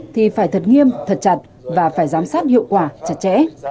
thì phải thật nghiêm thật chặt và phải giám sát hiệu quả chặt chẽ